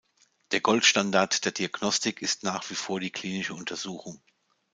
Der Goldstandard der Diagnostik ist nach wie vor die klinische Untersuchung.